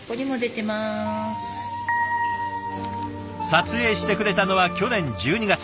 撮影してくれたのは去年１２月。